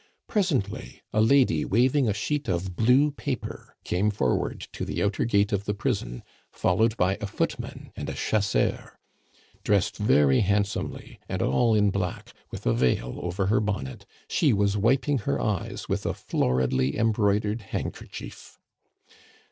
Presently a lady waving a sheet of blue paper came forward to the outer gate of the prison, followed by a footman and a chasseur. Dressed very handsomely, and all in black, with a veil over her bonnet, she was wiping her eyes with a floridly embroidered handkerchief.